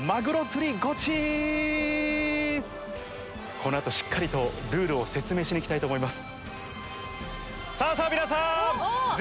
この後しっかりとルールを説明しにいきたいと思います。